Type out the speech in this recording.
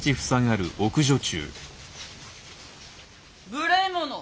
無礼者！